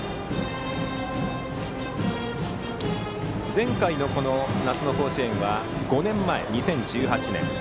前回の夏の甲子園は５年前、２０１８年。